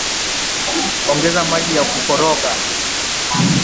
ongeza maji na kukoroga